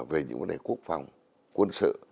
về những vấn đề quốc phòng quân sự